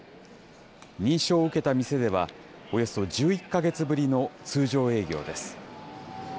認証を受けた店では、およそ１１か月ぶりの通常営業です。